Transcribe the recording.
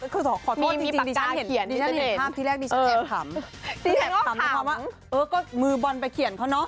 คือขอโทษจริงดิฉันเห็นภาพที่แรกดิฉันแอบถามคือคำว่ามือบอลไปเขียนเขาเนอะ